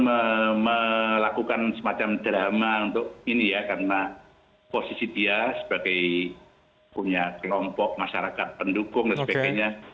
jadi melakukan semacam drama untuk ini ya karena posisi dia sebagai punya kelompok masyarakat pendukung dan sebagainya